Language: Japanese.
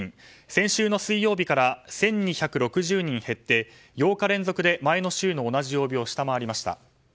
先週の水曜日から１２６０人減って８日連続で前の週の同じ曜日を下回りました。